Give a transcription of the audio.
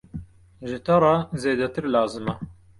Ji te re zêdetir lazim e!